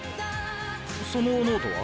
そのノートは？